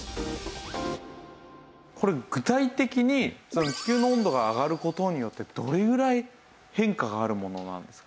これ具体的に地球の温度が上がる事によってどれぐらい変化があるものなんですか？